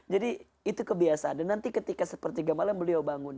jadi itu kebiasaan dan nanti ketika sepertiga malam beliau bangun